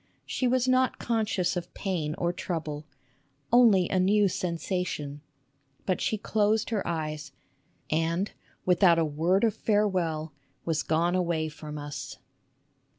She was not conscious of pain or trouble, " only a new sen sation," but she closed her eyes, and without a word of farewell, was gone away from us.